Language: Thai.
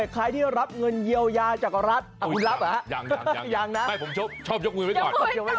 ไข่ขี้เกลี้ยมครับไข่ขี้เกลี้ยมก็คืออะไร